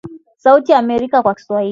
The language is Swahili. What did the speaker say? sauti ya Amerika kwa Kiswahili